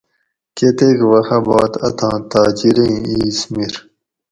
کتیک وخہ باد اتھاں تاجریں اِیس مِر